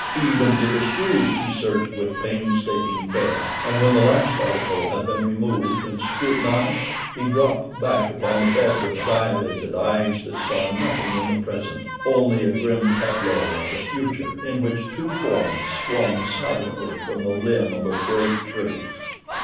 Even to the shoes he searched with painstaking care, and when the last article had been removed and scrutinized he dropped back upon the bed with dilated eyes that saw nothing in the present—only a grim tableau of the future in which two forms swung silently from the limb of a great tree.